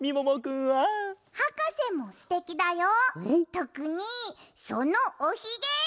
とくにそのおひげ！